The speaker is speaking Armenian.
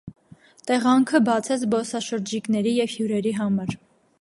Տեղանքը բաց է զբոսաշրջիկների և հյուրերի համար։